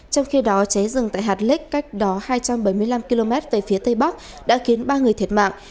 trong khi đó cháy rừng tại hạt lích cách đó hai trăm bảy mươi năm km về phía tây bắc đã khiến ba người thiệt mạng